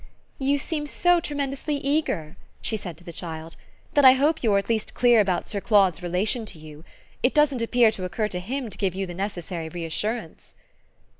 "You seem so tremendously eager," she said to the child, "that I hope you're at least clear about Sir Claude's relation to you. It doesn't appear to occur to him to give you the necessary reassurance."